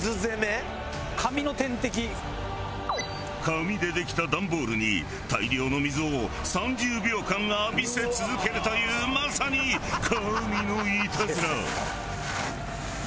紙でできたダンボールに大量の水を３０秒間浴びせ続けるというまさに神のイタズラ。